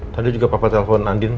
tadi juga papa telpon andin